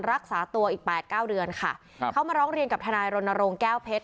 รักษาตัวอีก๘๙เดือนค่ะเขามาร้องเรียนกับธนายรณรงค์แก้วเพชร